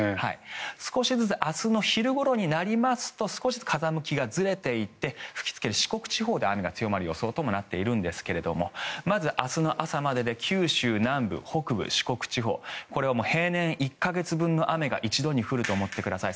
少しずつ明日の昼ごろになりますと少しずつ風向きがずれていって吹きつける四国地方で雨が強まる予想となっているんですが明日の朝までで九州南部・北部、四国地方これは平年１か月分の雨が一度に降ると思ってください。